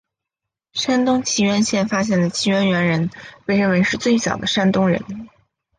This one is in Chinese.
山东省沂源县发现的沂源猿人被认为是最早的山东人。